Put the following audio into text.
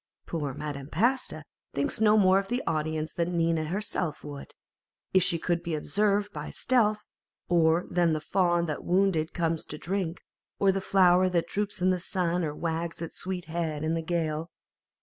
Poor Madame Pasta thinks no more of the audience than Nina herself would, if she could be observed by stealth, or than the fawn that wounded comes to drink, or the flower that droops in the sun or wags its sweet head in the gale.